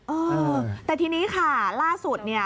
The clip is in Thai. เออแต่ทีนี้ค่ะล่าสุดเนี่ย